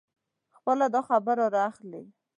خپله داخبره را اخلي.